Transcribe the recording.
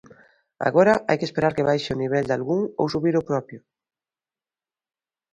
Agora hai que esperar que baixe o nivel dalgún ou subir o propio.